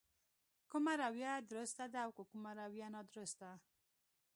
کومه رويه درسته ده او کومه رويه نادرسته.